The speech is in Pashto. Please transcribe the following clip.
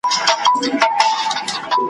چي هر ځای به کار پیدا سو دی تیار وو `